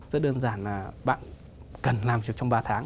rất đơn giản là bạn cần làm việc trong ba tháng